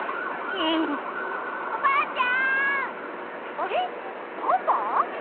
あれっバンバン？